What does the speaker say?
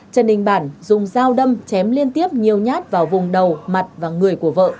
trần đình bản dùng dao đâm chém liên tiếp nhiều nhát vào vùng đầu mặt và người của vợ